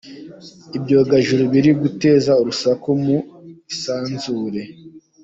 Ibyogajuru biri guteza urusaku mu isanzure